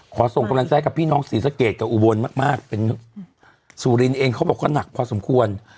ขอส่งบรรณแท้กับพี่น้องศรีสะเกตกับอุบวลมากเป็นสุรินเองเขาบอกว่านักพอสมควร